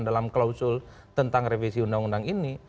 dalam klausul tentang revisi undang undang ini